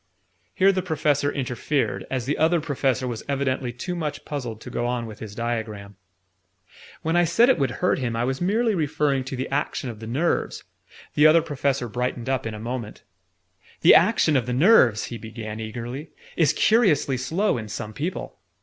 Here the Professor interfered, as the Other Professor was evidently too much puzzled to go on with his diagram. "When I said it would hurt him, I was merely referring to the action of the nerves " The Other Professor brightened up in a moment. "The action of the nerves," he began eagerly, "is curiously slow in some people.